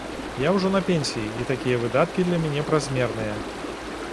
Я ўжо на пенсіі, і такія выдаткі для мяне празмерныя.